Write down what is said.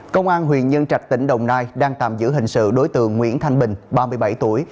công an huyện nhân trạch tỉnh đồng nai đang tạm giữ hình sự đối tượng nguyễn thanh bình ba mươi bảy tuổi